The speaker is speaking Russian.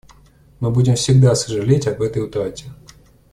Мы будем всегда сожалеть об этой утрате.